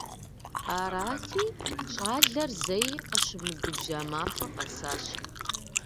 Арати, щӀалэр зэи къыщымыгубжьа махуэ къэсащ.